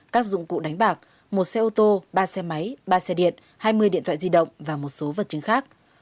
các dụng cụ đánh bạc một xe ô tô ba xe máy ba xe điện hai mươi điện thoại di động và một số vật chứng khác